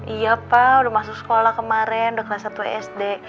iya pak udah masuk sekolah kemarin udah kelas satu sd